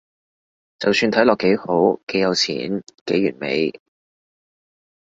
就算睇落幾好，幾有錢，幾完美